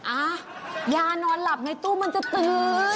อ่ะยานอนหลับในตู้มันจะตื้อ